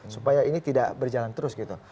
supaya ini tidak berjalan terus gitu